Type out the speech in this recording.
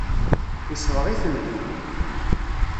Yesbeɣ-itent-id.